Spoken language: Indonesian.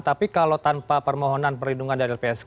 tapi kalau tanpa permohonan perlindungan dari lpsk